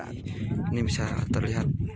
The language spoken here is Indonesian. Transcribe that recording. ini bisa terlihat